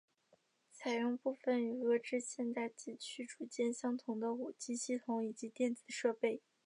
采用部分与俄制现代级驱逐舰相同的武器系统以及电子设备。